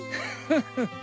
フフフ。